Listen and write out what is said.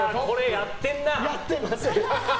やってません！